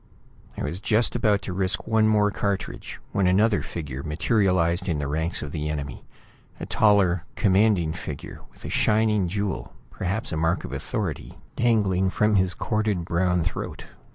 I was just about to risk one more cartridge when another figure materialized in the ranks of the enemy; a taller, commanding figure, with a shining jewel, perhaps a mark of authority, dangling from his corded brown throat.